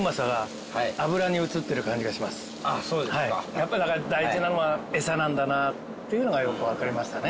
やっぱり大事なのはエサなんだなというのがよくわかりましたね。